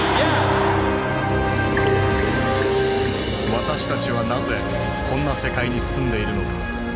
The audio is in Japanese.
私たちはなぜこんな世界に住んでいるのか。